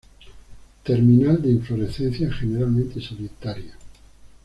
Terminal de inflorescencias, generalmente solitarias.